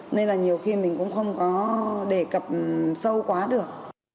nên là nhiều khi mình cũng không có đề cập sâu quá được